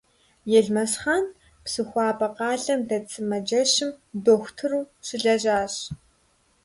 Елмэсхъан Псыхуабэ къалэм дэт сымаджэщым дохутыру щылэжьащ.